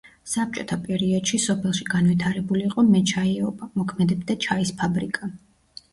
საბჭოთა პერიოდში სოფელში განვითარებული იყო მეჩაიეობა, მოქმედებდა ჩაის ფაბრიკა.